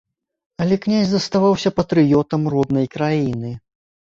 Але князь заставаўся патрыётам роднай краіны.